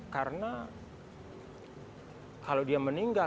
karena kalau dia meninggal